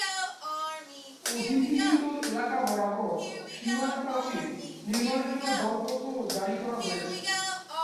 অধিগৃহীত এলাকা বরাবর সীমানা প্রাচীর নির্মাণের জন্য দরপত্র জারি করা হয়েছে।